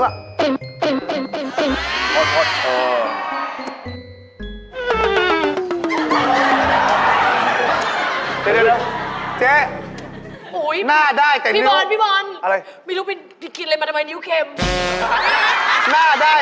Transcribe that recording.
อันนี้ฟังชื่อใช่ไหมแต่เราเอานิ้วใหญ่ข้ามันอยู่ในปาก